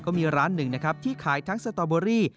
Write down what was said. ก็มีร้านหนึ่งนะครับที่ขายทั้งสตอเบอรี่